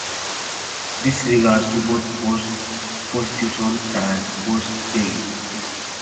This regards to both forced prostitution, and forced begging.